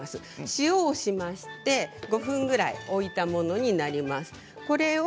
塩をしまして５分ぐらい置いたものになります。